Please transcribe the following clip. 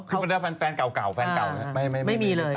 แต่ว่าเป็นแฟนเก่า